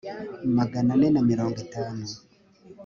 magana ane na mirongo itanu